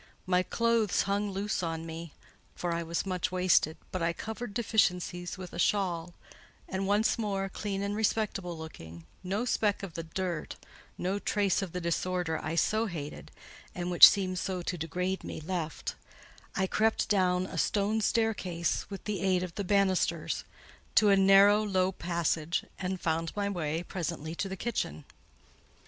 My clothes hung loose on me; for I was much wasted, but I covered deficiencies with a shawl, and once more, clean and respectable looking—no speck of the dirt, no trace of the disorder I so hated, and which seemed so to degrade me, left—I crept down a stone staircase with the aid of the banisters, to a narrow low passage, and found my way presently to the kitchen.